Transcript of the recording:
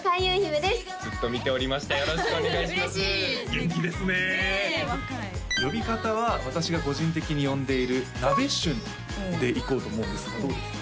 元気ですねねえ若い呼び方は私が個人的に呼んでいるなべしゅんでいこうと思うんですけどどうですか？